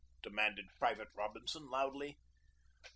demanded Private Robinson loudly.